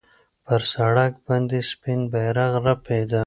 پر سړک باندې سپین بیرغ رپېده.